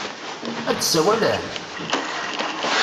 Ad d-sawalen?